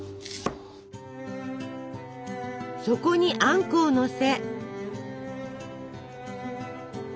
そこにあんこをのせ。